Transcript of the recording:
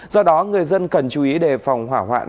do đó người dân cần chú ý đề phòng hỏa hoạn